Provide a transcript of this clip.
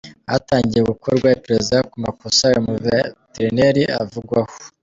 Hatangiye gukorwa iperereza ku makosa uyu muveterineri avugwaho.